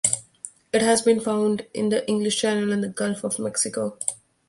It has been found in the English Channel and the Gulf of Mexico.